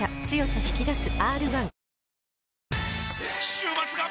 週末が！！